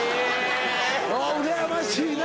うらやましいな。